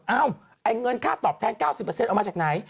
ไอ้เงินค่าตอบแทน๙๐เอามาจากไหน